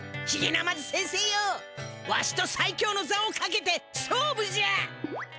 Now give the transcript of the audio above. ヒゲなまず先生よわしと最強のざをかけて勝負じゃ！